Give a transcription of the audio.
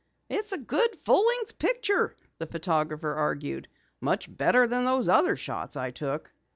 "It's a good full length picture," the photographer argued. "Much better than those other shots I took."